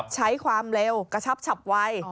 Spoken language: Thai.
ใช้ความเร็วกระชับฉับไว